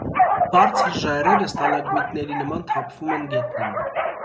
Բարձր ժայռերը ստալագմիտների նման թափվում են գետնին։